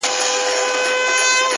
اوس مي د زړه زړگى په وينو ســور دى،